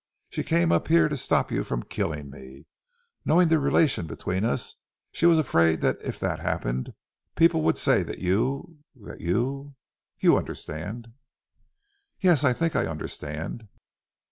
She came up here to stop you from killing me ... knowing the relation between us, she was afraid that if that happened, people would say that you ... that you.... You understand?" "Yes, I think I understand."